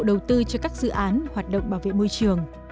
đầu tư cho các dự án hoạt động bảo vệ môi trường